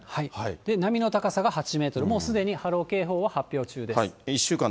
波の高さが８メートル、もうすでに波浪警報は発表中です。